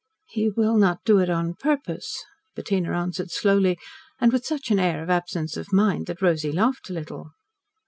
"He will not do it on purpose." Bettina answered slowly and with such an air of absence of mind that Rosy laughed a little.